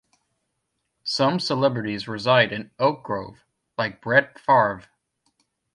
Some celebrities reside in Oak Grove, like Brett Favre.